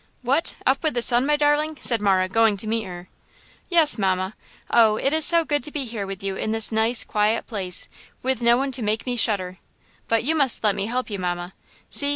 "What! up with the sun, my darling?" said Marah, going to meet her. "Yes, mamma! Oh! It is so good to be here with you in this nice, quiet place, with no one to make me shudder! But you must let me help you, mamma! See!